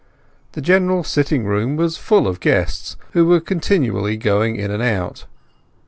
The general sitting room was full of guests, who were continually going in and out.